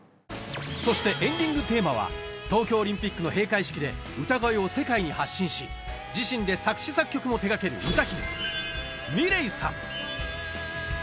そしてエンディングテーマは東京オリンピックの閉会式で歌声を世界に発信し自身で作詞作曲も手掛ける歌姫せの！